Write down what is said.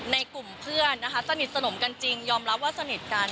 ในกลุ่มเพื่อนนะคะสนิทสนมกันจริงยอมรับว่าสนิทกัน